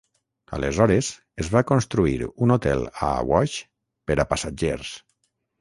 Aleshores es va construir un hotel a Awash per a passatgers.